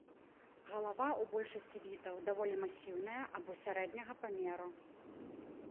Галава ў большасці відаў даволі масіўная або сярэдняга памеру.